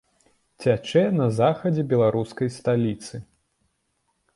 Цячэ на захадзе беларускай сталіцы.